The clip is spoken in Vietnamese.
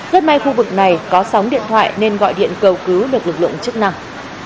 rất may khu vực này có sóng điện thoại nên gọi điện cầu cứu được lực lượng chức năng